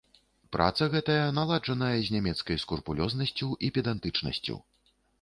Праца гэтая наладжаная з нямецкай скрупулёзнасцю і педантычнасцю.